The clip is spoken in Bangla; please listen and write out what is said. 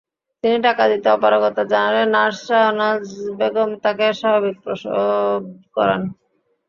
তিনি টাকা দিতে অপারগতা জানালে নার্স শাহানাজ বেগম তাঁকে স্বাভাবিক প্রসব করান।